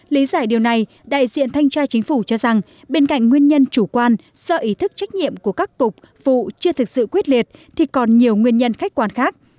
lý giải điều này đại diện thanh tra chính phủ cho rằng bên cạnh nguyên nhân chủ quan do ý thức trách nhiệm của các cục vụ chưa thực sự quyết liệt thì còn nhiều nguyên nhân khách quan khác